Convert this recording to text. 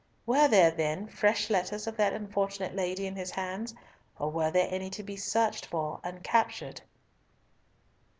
Were there, then, fresh letters of that unfortunate lady in his hands, or were any to be searched for and captured?